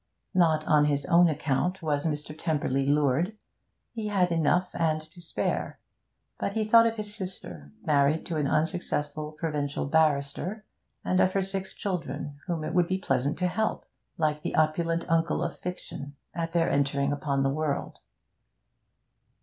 Not on his own account was Mr. Tymperley lured: he had enough and to spare; but he thought of his sister, married to an unsuccessful provincial barrister, and of her six children, whom it would be pleasant to help, like the opulent uncle of fiction, at their entering upon the world.